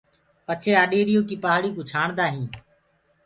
پڇي آڏيريٚ يو ڪيٚ پآڙي ڪوُ ڇآڻدآ هينٚ